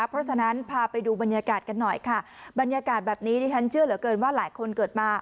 เพราะฉะนั้นพาไปดูบรรยากาศกันหน่อยค่ะบรรยากาศแบบนี้ดิฉันเชื่อเหลือเกินว่าหลายคนเกิดมา